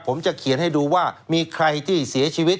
ผมจะเขียนให้ดูว่ามีใครที่เสียชีวิต